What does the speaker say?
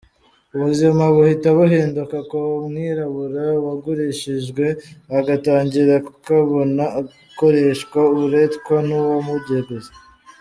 Ubuzima buhita buhinduka ku mwirabura wagurishijwe, agatangira kukabona akoreshwa uburetwa n’uwamuguze.